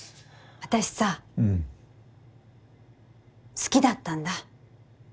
好きだったんだ。